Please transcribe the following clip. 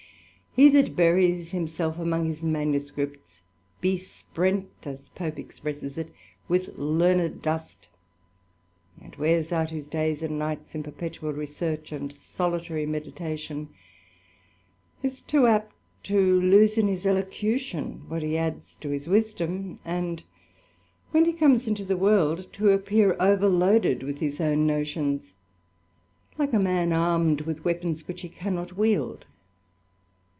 He that buirie himself among his manuscripts "besprent," as Pope er presses it^ " with learned dust," and wears out his dajrs and nights in perpetual research and solitary meditation, is too apt to lose in his elocution what he adds to his wisdom; and when he comes into the world, to appear over loaded with his own notions, like a man armed with weapons which he cannot wield.